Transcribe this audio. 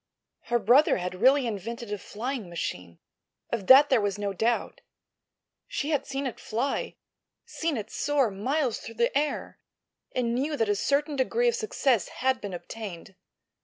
Her brother had really invented a flying machine, of that there was no doubt. She had seen it fly—seen it soar miles through the air—and knew that a certain degree of success had been obtained.